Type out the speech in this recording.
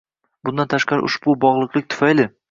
Bundan tashqari, ushbu bog‘liqlik tufayli